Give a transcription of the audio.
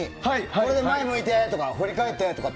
これで前向いてとか振り返ってとか。